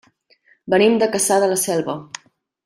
Venim de Cassà de la Selva.